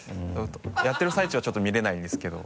やってる最中はちょっと見れないんですけど。